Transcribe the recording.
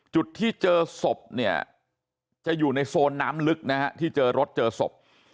จุดที่เจอศพเนี่ยจะอยู่ในโซนน้ำลึกนะฮะที่เจอรถเจอศพ